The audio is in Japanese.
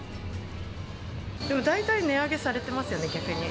でも大体値上げされてますよね、逆に。